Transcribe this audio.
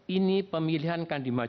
ini pemilihan kan dimajuin